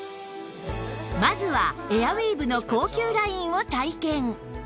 まずはエアウィーヴの高級ラインを体験